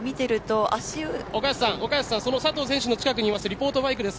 岡安さんその佐藤選手の近くにいますリポートバイクです。